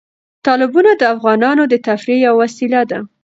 تالابونه د افغانانو د تفریح یوه وسیله ده.